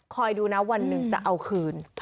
คอยดูนะวันนึงจะเอาคืน